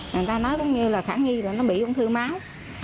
người ta nói giống như là khả nghi là nó bị ung thư máu